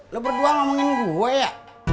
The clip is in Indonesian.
lo berdua ngomongin gue ya